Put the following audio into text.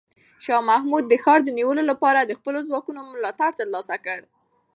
شاه محمود د ښار د نیولو لپاره د خپلو ځواکونو ملاتړ ترلاسه کړ.